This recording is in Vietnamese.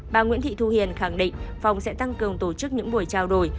bà nguyễn thị thu hiền khẳng định phòng sẽ tăng cường tổ chức những buổi trao đổi